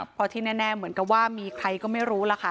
เพราะที่แน่เหมือนกับว่ามีใครก็ไม่รู้ล่ะค่ะ